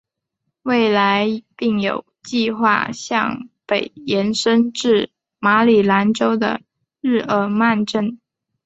未来并有计画向北延伸至马里兰州的日耳曼镇。